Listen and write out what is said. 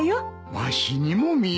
わしにも見える。